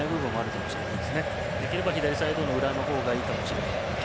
そうなると左サイドの裏の方がいいかもしれない。